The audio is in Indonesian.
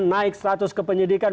naik status kepenyelidikan